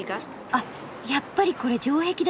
あっやっぱりこれ城壁だったんだ。